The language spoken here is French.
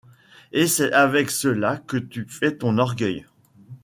Et c’est avec cela que tu fais ton orgueil !